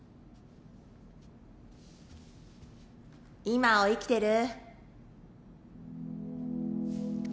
今を生きてる？